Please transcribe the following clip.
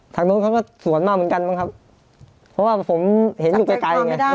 ทางนู้นเขาก็สวนมาเหมือนกันมั้งครับเพราะว่าผมเห็นอยู่ไกลไกลไง